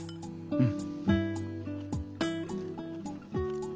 うん。